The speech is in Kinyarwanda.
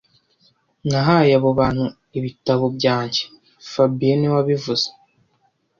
Nahaye abo bantu ibitabo byanjye fabien niwe wabivuze